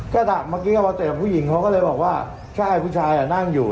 ก็ดักเมื่อกี้ก็มาเตะผู้หญิงเขาก็เลยบอกว่าใช่ผู้ชายนั่งอยู่